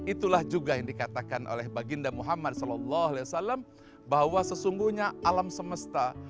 itulah juga yang dikatakan oleh baginda muhammad saw bahwa sesungguhnya alam semesta